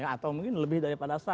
atau mungkin lebih daripada